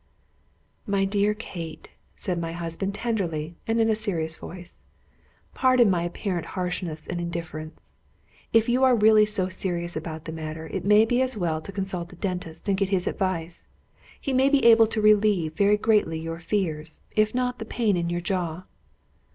"My dear Kate," said my husband, tenderly, and in a serious voice, "pardon my apparent harshness and indifference. If you are really so serious about the matter, it may be as well to consult a dentist, and get his advice. He may be able to relieve very greatly your fears, if not the pain in your jaw."